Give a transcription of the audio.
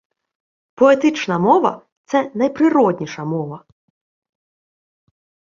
Поетична мова – це найприродніша мова.